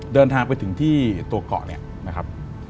เดินทางไปถึงที่ตัวเกาะเนี่ยนะครับ